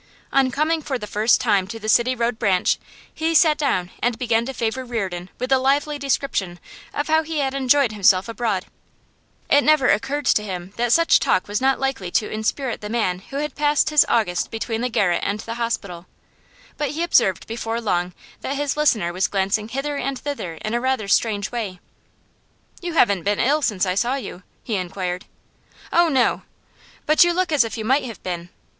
On coming for the first time to the City Road branch he sat down and began to favour Reardon with a lively description of how he had enjoyed himself abroad; it never occurred to him that such talk was not likely to inspirit the man who had passed his August between the garret and the hospital, but he observed before long that his listener was glancing hither and thither in rather a strange way. 'You haven't been ill since I saw you?' he inquired. 'Oh no!' 'But you look as if you might have been.